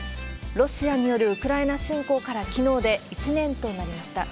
ロシアによるウクライナ侵攻から、きのうで１年となりました。